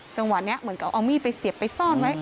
จังหวะนี้เหมือนกับเอามีดไปเสียบไปซ่อนไว้